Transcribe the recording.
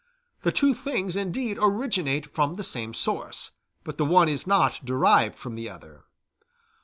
The two things indeed originate from the same source, but the one is not derived from the other.